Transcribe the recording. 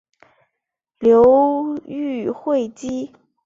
流寓会稽。